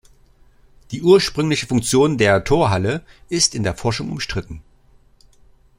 Die ursprüngliche Funktion der "Torhalle" ist in der Forschung umstritten.